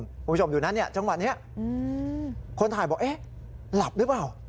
คุณผู้ชมอยู่นั้นเนี่ยจังหวะนี้คนถ่ายบอกเอ๊ะหลับหรือเปล่า